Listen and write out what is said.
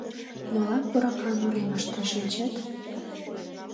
— Молан пуракан уремыште шинчет?